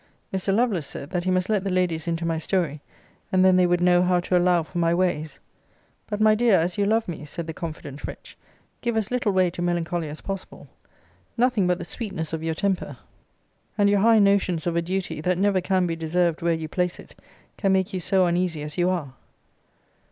Mr. Lovelace said, that he must let the ladies into my story, and then they would know how to allow for my ways. But, my dear, as you love me, said the confident wretch, give as little way to melancholy as possible. Nothing but the sweetness of your temper, and your high notions of a duty that never can be deserved where you place it, can make you so uneasy as you are.